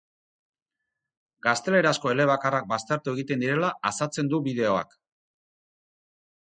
Gaztelerazko elebakarrak baztertu egiten direla azatzen du bideoak.